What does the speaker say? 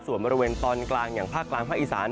ส่วนบริเวณตอนกลางอย่างภาคกลางภาคอีสาน